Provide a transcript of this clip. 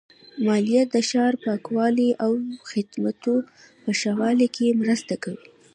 مالیه د ښار د پاکوالي او خدماتو په ښه والي کې مرسته کوي.